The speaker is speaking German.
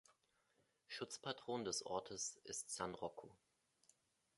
Schutzpatron des Ortes ist San Rocco.